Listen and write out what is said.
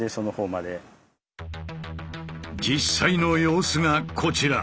実際の様子がこちら。